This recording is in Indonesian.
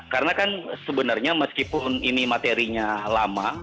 karena kan sebenarnya meskipun ini materinya lama